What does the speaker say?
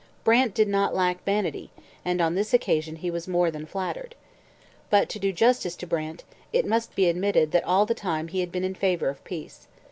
Brant did not lack vanity, and on this occasion he was more than flattered. But, to do justice to Brant, it must be admitted that all the time he had been in favour of peace.